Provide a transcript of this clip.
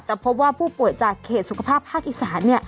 พบว่าผู้ป่วยจากเขตสุขภาพภาคอีสาน